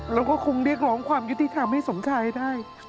เราก็คงเรียกร้องความยุติธรรมให้สมชายได้